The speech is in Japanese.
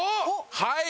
はい。